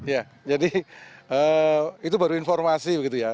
ya jadi itu baru informasi begitu ya